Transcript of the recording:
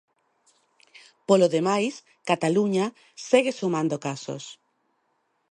Polo demais, Cataluña segue sumando casos.